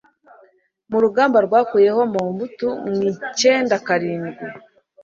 mu rugamba rwakuyeho Mobutu mu icyenda karindwi